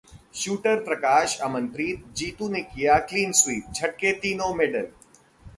shooter Prakash, Amanpreet, Jitu ने किया clean sweep, झटके तीनों मेडल